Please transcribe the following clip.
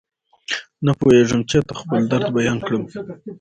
نپوهېږم چاته خپل درد بيان کړم.